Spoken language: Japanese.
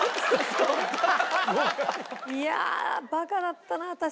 いやあバカだったな私。